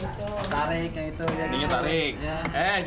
sekarang aaron berbincong denganmented snow ini